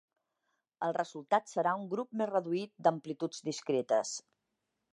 El resultat serà un grup més reduït d'amplituds discretes.